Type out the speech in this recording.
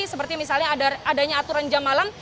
seperti misalnya adanya aturan jam malam